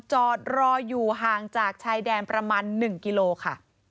จอดรออยู่ห่างจากชายแดนประมาณ๑กิโลค่ะ